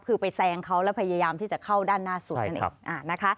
คือไปแซงเขาแล้วพยายามที่จะเข้าด้านหน้าสุดนั่นเองนะคะ